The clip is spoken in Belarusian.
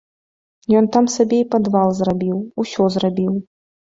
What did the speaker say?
Ён там сабе і падвал зрабіў, усё зрабіў!